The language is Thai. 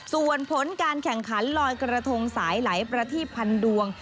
ส่วนผลการแข่งขันลอยกระทงสายไหลประทีบพันดวง